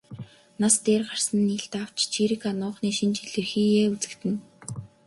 Нас дээр гарсан нь илт авч чийрэг ануухны шинж илэрхийеэ үзэгдэнэ.